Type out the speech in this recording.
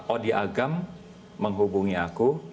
odi agam menghubungi aku